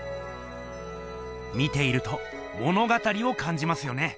見ていると物語をかんじますよね。